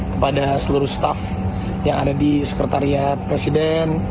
kepada seluruh staff yang ada di sekretariat presiden